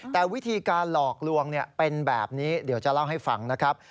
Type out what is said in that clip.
แต่วิธีการหลอกลวงเป็นแบบนี้เดี๋ยวจะเล่าให้ฟังนะครับ